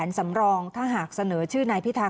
คุณสิริกัญญาบอกว่า๖๔เสียง